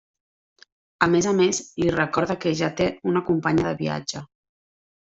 A més a més li recorda que ja té una companya de viatge.